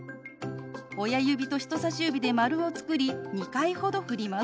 親指と人さし指で丸を作り２回ほどふります。